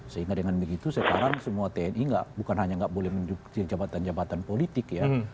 sehingga dengan begitu sekarang semua tni bukan hanya nggak boleh mencukupi jabatan jabatan politik ya